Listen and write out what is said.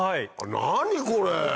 何これ！